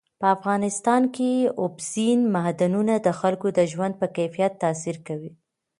په افغانستان کې اوبزین معدنونه د خلکو د ژوند په کیفیت تاثیر کوي.